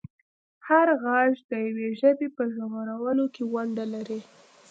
هر غږ د یوې ژبې په ژغورلو کې ونډه لري.